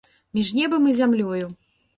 Між небам і зямлёю.